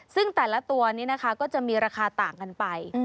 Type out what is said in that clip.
ซึ่งแต่ละตัวนี้นะคะก็จะมีราคาต่างกันไป